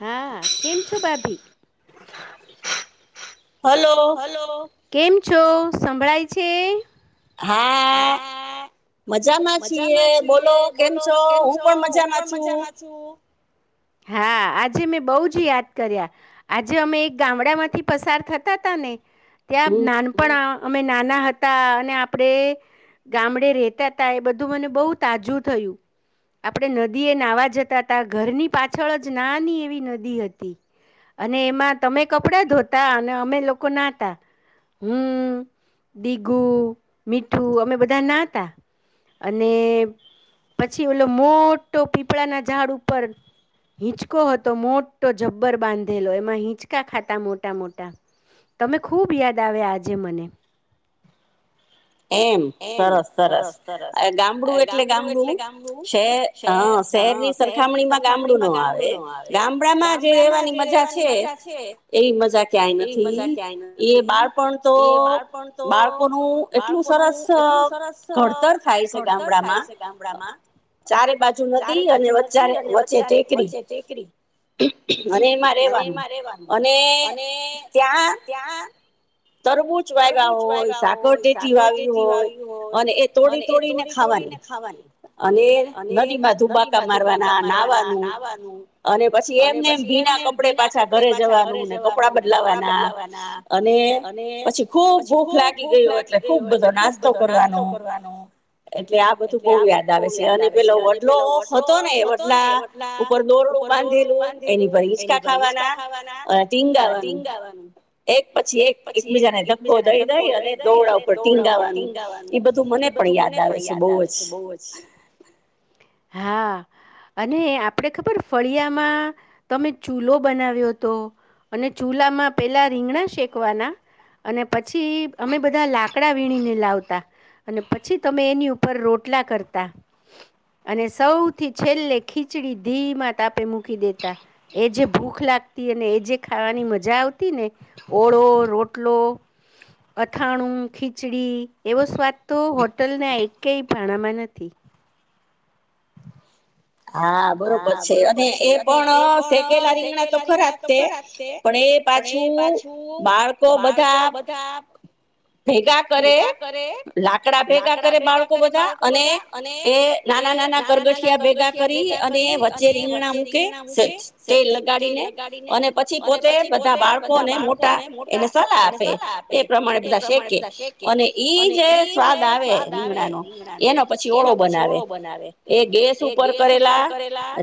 હા કેમ છો ભાભી? હાલો કેમ છો, સંભળાય છે? હા. હા. મજામાં છીએ. બોલો કેમ છો? હું પણ મજામાં છું. હા આજે મેં બહુ જ યાદ કર્યા. આજે અમે એક ગામડામાંથી પસાર થતા હતા ને ત્યાં નાનપણ અમે નાના હતા અને આપણે ગામડે રહેતા હતા એ બધું મને બહુ તાજું થયું. આપણે નદીએ નાહવા જતા હતા ઘરની પાછળ જ નાની એવી નદી હતી અને એમાં તમે કપડા ધોતા અને અમે લોકો નાતા. હું, દીઘું, મીઠું અમે બધા નાતા અને પછી હિંચકો હતો મોટો જબ્બર બાંધેલો. એમાં હિંચકા ખાતા મોટા મોટા તમે ખૂબ યાદ આવ્યા આજે મને. એમ, સરસ સરસ ગામડું એટલે ગામડું શે શહેરની સરખામણીમાં ગામડું નો આવે ગામડામાં જે રેવાની મ એટલું સરસ ઘડતર થાય છે ગામડામાં. ચારે બાજુ નદી અને ચારે વચ્ચે વચ્ચે ટેકરી અને એમાં રેવાનું અને ત્યાં તરબૂચ વાવ્યા હોય સાકરટેટી વાવી હોય અને એ તોડી તોડીને ખાવાની અને. નદી માં ધુબાકા મારવાના, નાહવાનું અને પછી એમને ભીના કપડે પાછા ઘરે જવાનું ને કપડા બદલાવાના અને પછી ખુબ ભૂખ લાગી ગયો એટલે ખુબ બધો નાસ્તો કરવાનો એટલે આ બધું બહવ યાદ આવે છે અને પેલો વડલો હતો ને વઢલા ઉપર દોર એકબીજાને ધક્કો દઈ દઈ અને દોડા ઉપર ટીંગાવાનું એ બધું મને પણ યાદ આવે છે બહુ જ. હા, અને આપણે ખબર ફળિયામાં તમે ચૂલો બનાવ્યો હતો. અને ચૂલામાં પેલા રીંગણા શેકવાના અને, પછી અમે બધા લાક કકડા, વિણીને લાવતા. અને પછી, તમે એની ઉપર રોટલા કરતા અને સૌથી છેલ્લે ખીચડી ધીમા. તાપે મૂકી દેતા એ જે ભૂખ લાગતી અને એ જે ખાવાની મજા આવતી ને ઓળો, રોટલો, અથાણું, ખીચડી એવો સ્વાદ તો હોટલના એકય ભાણામાં નથી. હા બરોબર છે અને એ પણ સેકેલા રીંગણા તો ખરાજ તે પણ એ પાછુ, બાળકો બધા ભેગા કરે લાકડા ભેગા, કરે બાળકો બધા અને એ નાના નાના કરગઠિયા ભેગા [unintelligible] કરી અને વચ્ચે રીંગણા મૂકે તેલ લગાડીને અને પછી પોતે બધા બાળકોને મોટા એને સલાહ આપે એ પ્રમાણે બધા શેકે અને ઈ જે સ્વાદ આવે રીંગણાનો એનો પછી, ઓળો બનાવે એ ગેસ ઉપર કરેલા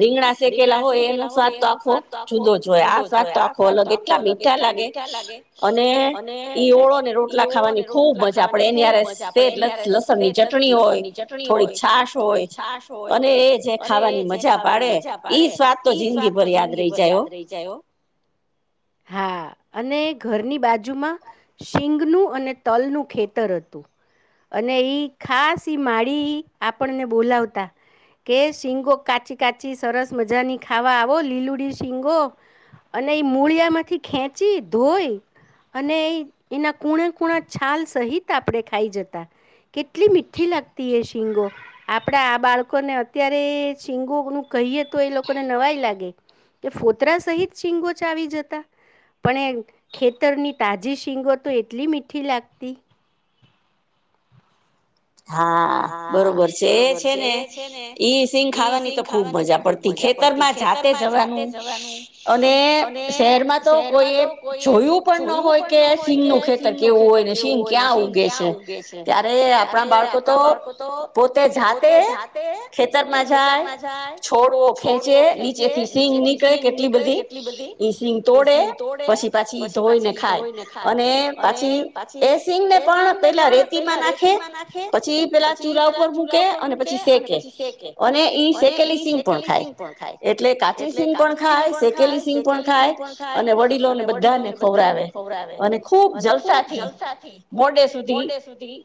રીંગણા શેકેલા હોય એનો સ્વાદ તો આખો જુદો જ હોય આ સ્વાદ તો આખો અલગ એટલા મીઠા લાગે અને ઈ ઓળો ને રોટલા ખાવાની ખૂબ મજા આપડે એનીયારે લસણ ની ચટણી હોય થોડીક છાાસ હોય. અને એ જે ખાવાની મજા પાડે ઈ સ્વાત તો જિંદગી પર યાદ રહી જાય એ. હા અને ઘરની બાજુમાં શીંગનું અને તલનું ખેતર હતું અને ખાસ માળી આપણને બોલાવતા કે શીંગો કાચી કાચી સરસ મજાની ખાવા આવો લીલુડી શીંગો અને એ મૂળિયામાંથી ખેંચી ધોઈ અને એના કૂણે કૂણા છાલ સહિત આપણે ખાઈ જતા કેટલી મીઠી લાગતી એ શીંગો આપણા આ બાળકોને ત્યારે શીંગો નું કહીએ તો એ લોકોને નવાય લાગે કે ફોતરા સહિત શીંગો ચાવી જતા પણ ખેતરની તાજી શીંગો તો એટલી મીઠી લાગતી. હા બરોબર છે એ છે ને ઈ સિંગ ખાવાની તો ખૂબ મજા પડતી ખેતરમાં જાતે જવાનું અને શહેરમાં તો કોઈ જોયું પણ ના હોય કે સિંગ નું ખેતર કેવું હોય ને સિંગ ક્યાં ઉગે છે ત્યારે બારકો આપણા બાળકો તો પોતે જાતે ખેતરમાં જાય છોડો ખેંચે નીચે થી સિંગ નીકળે કેટલી બધી સિંગ તોડે પછી પાછી એ ધોઈને ખાય અને પાછી એ સિંગ ને પણ પેલા રેતી માં નાખે પછી પેલા ચૂલા ઉપર મૂકે અને પછી શેકે અને ઈ શેકેલી સિંગ પણ ખાય એટલે કાચલી સિંગ પણ ખાય શેકેલી સિંગ પણ ખાય અને વડીલોને બધાને ખવરાાવે અને ખૂબ જલસાથી મોડે સુધી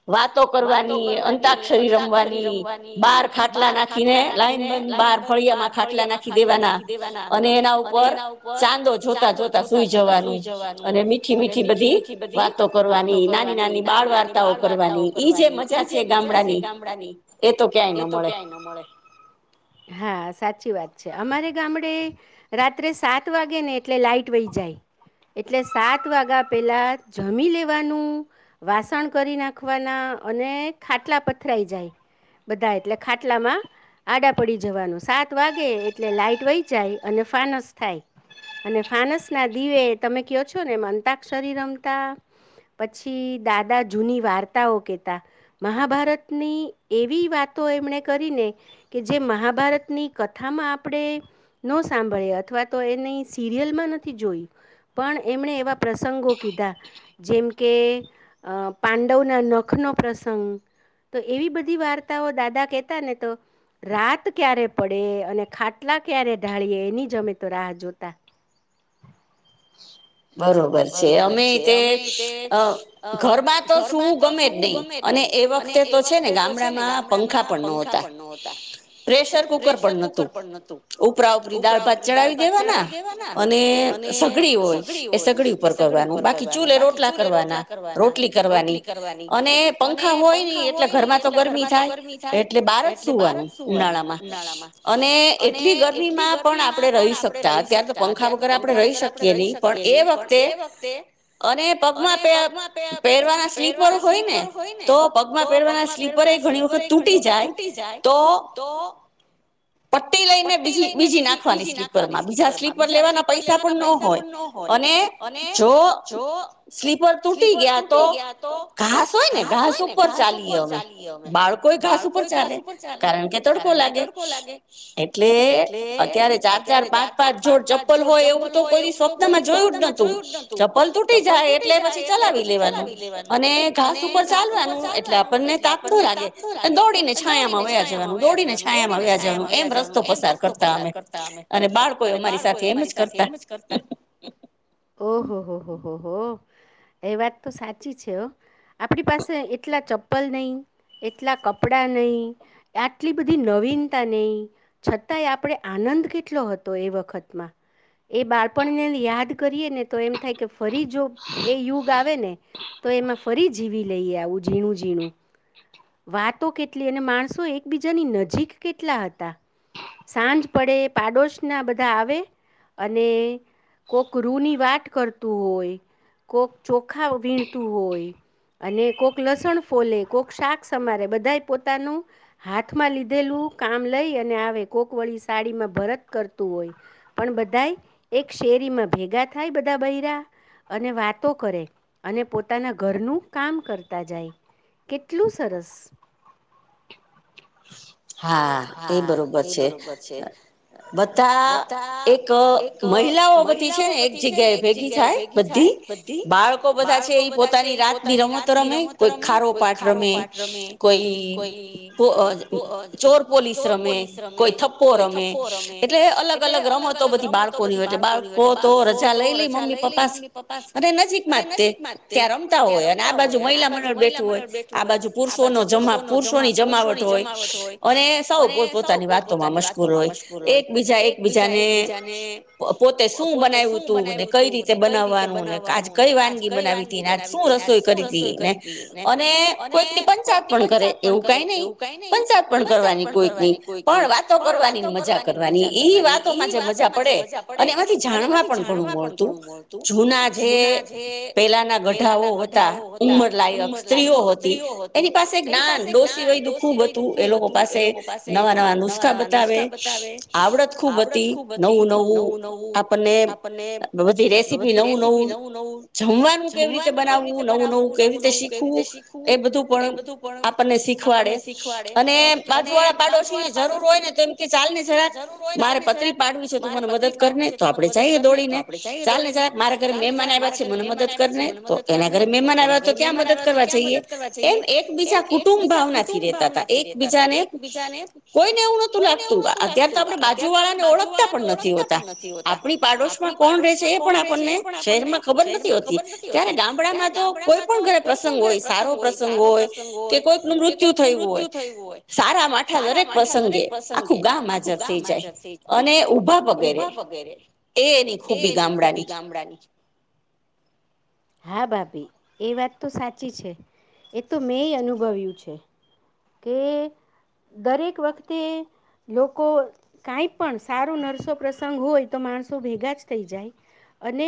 [unintelligible] કરવાની અંતાક્ષરી રમવાની બાર ખાટલા નાખીને લાઈન બંધ બાર ફળિયા માં ખાટલા નાખી દેવાના અને એના ઉપર ચાંદો જોતા જોતા સુઈ જવાનું અને મીઠી મીઠી બધી વાતો કરવાની નાની નાની બાળ વાર્તાઓ કરવાની. જે મજા છે ગામડાની એ તો ક્યાંય ના મળે. હા સાચી વાત છે. અમારે ગામડે રાત્રે સાત વાગે ને એટલે લાઈટ વહી જાય એટલે સાત વાગ્યા પેલા જમી લેવાનું વાસણ કરી નાખવાના અને ખાટલા પથરાઈ જાય બધા એટલે ખાટલામાં આડા પડી જવાનું સાત વાગે એટલે લાઈટ વહી જાય અને ફાનસ થાય અને ફાનસના દીવે તમે કહો છો ને એમ અંતાક્ષરી રમતા પછી દાદા જૂની વાર્તાઓ કહેતા. મહાભારતની એવી વાતો એમણે કરીને કે જે મહાભારતની કથામાં આપણે ન સાંભળીએ અથવા તો એની સિરિયલમાં નથી જોયું પણ એમણે એવા પ્રસંગો કીધા જેમ કે પાંડવના નખ દુખ ન પ્રસંગ તો એવી બધી વાર્તાઓ દાદા કેહેતા ને તો રાત ક્યારે પડે અને ખાટલા ક્યારે ઢાળીએ એની જમે તો રાહ જોતા. બરોબર છે અમે તે ઘરમાં તો શું ગમે જ નહી અને એ વખતે તો છે ને ગામડામાં પંખા પણ નોતા પ્રેશર કુકર પણ નહોતું ઉપરા ઉપરી દાળ ભાત ચડાવી દેવાના અને સગડી હોય. એ સગડી ઉપર કરવાનું બાકી ચૂલે રોટલા કરવાના રોટલી કરવાની અને પંખા હોય ને એટલે ઘરમાં તો ગરમી થાય એટલે બહાર જ સૂવાનું ઉનાળામાં અને એટલી ગરમીમાં પણ આપડણે રહી શકતા અત્યારે તો પંખા વગર આપણે રહી શકતા પણ એ વખતે એ વખતે અને પગમાં પ પહેરવાના સ્લીપર હોય ને તો પગમાં પહેરવાના સ્લીપર એ ઘણી વખત તૂટી જાય તો પટ્ટી લઈને બીજી બીજી નાખવાની સ્લીપર માં બીજા સ્લીપર લેવાના પૈસા પણ ન હોય. અને જો સ્લીપર તૂટી ગયા તો ઘાસ હોય ને ઘાસ ઉપર ચાલીએ અમે બાળકો ઘાસ ઉપર ચાલે કારણ કે તડકો લાગે એટલે અત્યારે ચાર ચાર પાંચ પાંચ જોડ ચપ્પલ હોય એવું તો કોઈ. જોયું જ નું ચપ્પલ તૂટી જાય એટલે પછી ચલાવી લેવાનું અને ઘાસ ઉપર ચાલવાનું એટલે આપણને તાક ન લાગે દોડીને છાયામાં વ્યાયા જવાનું દોડીને છાયામાં વ્યા જવાનું એમ રસ્તો પસાર કરતા અમે અને બાળકો અમારી સાથે એમ જ કરતા ઓહ હો હો ઓહ એ વાત તો સાચી છે. આપણી પાસે એટલા ચપ ચ્પલ નહીં એટલા કપડાં નહીં આટલી બધી નવીનતા નહીં છતાંય આપણે આનંદ કેટલો હતો એ વખતમાં એ બાળપણને યાદ કરીએ ને તો એમ થાય કે. ફરી જો એ યુગ આવે ને તો એમાં ફરી જીવી લઈએ આવું ઝીણું ઝીણું વાતો કેટલી અને માણસો એકબીજાની નજીક કેટલા હતા સાંજ પડે પાડોશના બધા આવે અને કો કોઈક રૂની વાટ કરતું હોય કોઈક ચોખા વીણતું હોય અને કોઈક લસણ ફોલે કોઈક શાક સમારે બધાએ પોતાનું હાથમાં લીધેલું કામ લઈ અને આવે કોક વળી સાડીમાં ભરત કરતું હોય પણ બધા એક શેરીમાં ભેગા થાય બધા બૈરા અને વાતો કરે અને પોતાના ઘરનું કામ કરતા જાય કેટલું સરસ હા એ બરોબર છે. બધા એક મહિલાઓ બધી છે ને એક જગ્યાએ ભેગી થાય બધી બાળકો બધા છે એ પોતાની રાતની રમત રમે કોઈ ખારો પાટ રમે કોઈ રમે કોઈ થપ્પો રમે, એટલે અલગ અલગ રમતો બધી બાળકોની હોયટ બાળકો તો રજા લઈ લઈ મમ્મી પપ્પા અને નજીક માં જ તે ત્યાં રમતા હોય અને આ બાજુ મહિલા મંડળ બેઠું હોય, આ બાજુ પુરુષો ન જમા પુરુષોની જમાવટ હોય અને અને સૌ પો પોતાની વાતોમાં મશ્કુર હોય એકબીજા એક બીજાને પોતે શું બનાવ્યું તું ને કઈ રીતે બનાવવાનું ને આજ કઈ વાનગી બનાવી તીને આ શું રસોઈ કરી હતી ને અને કોઈકની પંચાયત પણ કરે એવું કઈ નહી કરવાની કરવાની કોઈક નહી પણ વાતો કરવાની મજા કરવાની એ વાતોમાં જે મજા પડે અને એમાંથી જાણવા પણ ઘણું મળતું જૂના જે પેલાના ગઢાઓ હતા ઉંમર લાયક સ્ત્રીઓ હતી એની પાસે જ્ઞાન ડોસી વય દુ ખૂબ એ લોકો પાસે નવા નવા નુસ્ખા બતાવે આવડત ખૂબ હતી નવું નવું આપણને બધી રેસીપી નવું નવું જમવાનું કેવી રીતે બનાવવું નવું નવું કેવી રીતે શીખવું એ બધું પણ આપણને શીખવાડે [inaudible] બાજુ વાળા પાડોશી જરૂર હોય ને તો એમ કે ચાલ ને જરાક મારે પતરી પાડવી છે તો મને મદદ કર ને તો આપડે જઈએ દોડી ને ચાલ ને જરાક મારા ઘરે મહેમાન આવ્યા છે મને મદદ કરને તો એના ઘરે મહેમાન આવ્યા તો ક્યાં મદદ કરવા જઈએ એમ એકબીજા કુટુંબ ભાવના થી રેહતા હતા એક બીજા કોઈને એવું નહતું લાગતું અત્યારે તો આપણે બાજુ વાળા ને ઓળખતા પણ નથી હોતા આપણી પાડોશમાં કોણ રહ છે એ પણ આપણને શહેર માં ખબર નથી હોતી ત્યારે ગામડામાં તો કોઈ પણ ઘરે પ્રસંગ હોય સારો પ્રસંગ હોય કે કોઈકનું મૃત્યુ થયું હોય થયું હોય સારા માઠા દરેક પ્રસંગે આખું ગામ હાજર થઈ જાય અને ઊભા પગેરે એ એની ખૂબી ગામડાની એ વાત તો સાચી છે એ તો મેં અનુભવ્યું છે કે દરેક વખતે લોકો કાંઈ પણ સારો નરસો પ્રસંગ હોય તો માણસો ભેગા જ થઈ જાય અને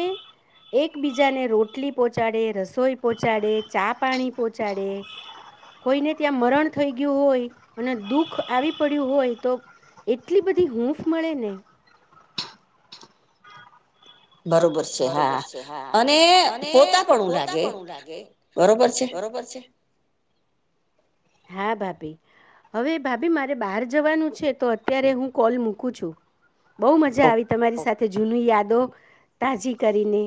એકબીજાને રોટલી પોહોંચાડે રસોઈ પહોંચાડે ચા પાણી પોહોંચાડે કોઈને ત્યાં મરણ થઈ ગયું હોય અને દુઃખ આવી પડ્યું હોય તો એટલી બધી હૂફ મળે ને બરોબર છે હા અને પોતા પણું લાગે બરોબર છે. હા ભાભી હવે ભાભી મારે બહાર જવાનું છે તો અત્યારે હું કોલ મૂકું છું. બહુ મજા આવી તમારી સાથે તે જૂનુ યાદો. તાઝજી. કરીને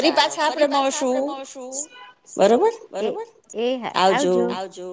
ચાલો ફરી પાછા આપે મળશું બરબર એહા આવજો.